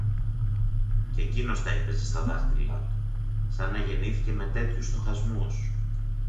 Κι εκείνος τα έπαιζε στα δάχτυλα του, σα να γεννήθηκε με τέτοιους στοχασμούς.